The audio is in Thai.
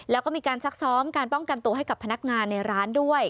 แล้วก็มีการซักซ้อมการป้องกันตัวให้กับพนักงานในร้านด้วย